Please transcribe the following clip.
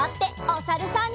おさるさん。